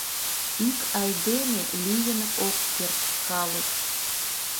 «Ик айдеме лийын ок керт калык...»